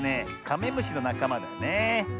カメムシのなかまだね。